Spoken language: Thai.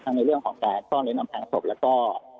ทั้งว่าเรื่องของการก้อนเล้นน้ำทางศพแล้วก็